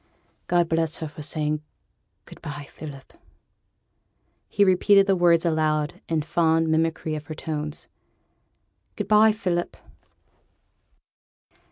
God bless her for saying, "Good by, Philip."' He repeated the words aloud in fond mimicry of her tones: 'Good by, Philip.'